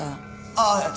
ああ。